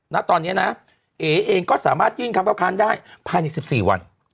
ณตอนนี้นะเอ๋เองก็สามารถยื่นคำเข้าค้านได้ภายใน๑๔วัน